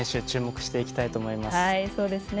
注目していきたいと思います。